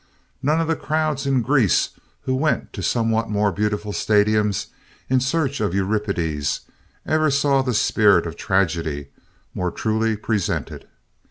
None of the crowds in Greece who went to somewhat more beautiful stadiums in search of Euripides ever saw the spirit of tragedy more truly presented.